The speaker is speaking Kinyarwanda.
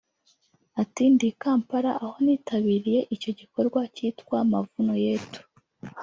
Ati “Ndi i Kampala aho nitabiriye icyo gikorwa cyitwa ‘Mavuno yetu’